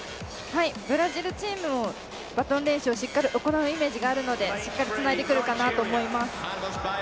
ブラジルチームもバトン練習をしっかり行うイメージがあるのでしっかりつないでくるかなと思います。